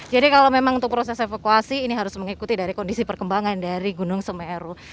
jadi kalau memang untuk proses evakuasi ini harus mengikuti dari kondisi perkembangan dari gunung semeru